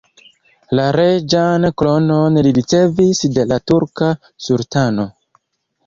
La reĝan kronon li ricevis de la turka sultano.